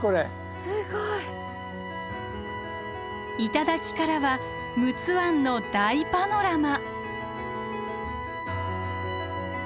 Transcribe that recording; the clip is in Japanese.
頂からは陸奥湾の大パノラマ。